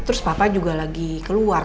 terus papa juga lagi keluar